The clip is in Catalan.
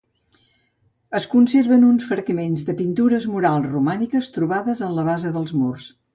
Es conserven uns fragments de pintures murals romàniques trobades en la base dels murs.